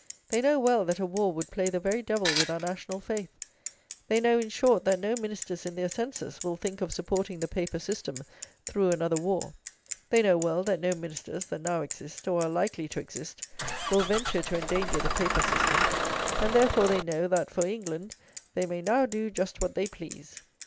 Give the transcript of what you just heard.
They know well that a war would play the very devil with our national faith. They know, in short, that no Ministers in their senses will think of supporting the paper system through another war. They know well that no Ministers that now exist, or are likely to exist, will venture to endanger the paper system; and therefore they know that (for England) they may now do just what they please.